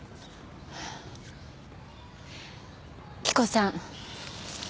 着子さん。